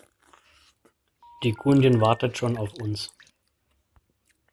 Die Kundin wartet schon auf uns.